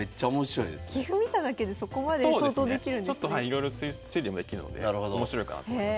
いろいろ推理もできるので面白いかなと思います。